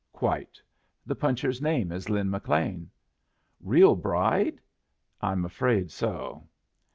"Quite. The puncher's name is Lin McLean." "Real bride?" "I'm afraid so."